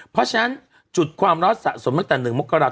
เพราะฉะนั้นจุดความร้อนสะสมตั้งแต่๑มกราศ